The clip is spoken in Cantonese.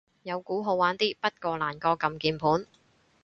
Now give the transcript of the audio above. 有鼓好玩啲，不過難過撳鍵盤